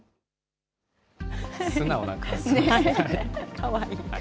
かわいい。